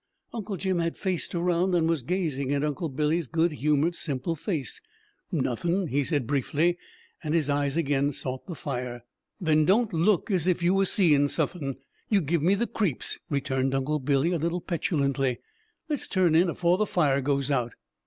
Uncle Jim had faced around, and was gazing at Uncle Billy's good humored, simple face. "Nothin'!" he said briefly, and his eyes again sought the fire. "Then don't look as if you was seein' suthin' you give me the creeps," returned Uncle Billy a little petulantly. "Let's turn in, afore the fire goes out!"